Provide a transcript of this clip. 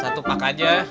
satu pak aja